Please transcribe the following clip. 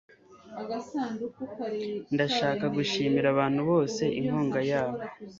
ndashaka gushimira abantu bose inkunga yabo